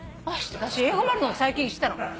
私英語もあるの最近知ったの。